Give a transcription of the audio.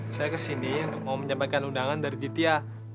saya kesini untuk menyampaikan undangan dari ditia